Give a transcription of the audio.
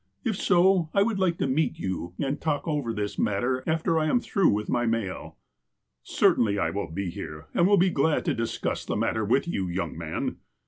" If so, I would like to meet you and talk over this matter after I am through with my mail." " Certainly I will be here, and will be glad to discuss the matter with you, young man."